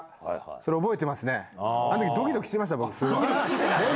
それ覚えてますね。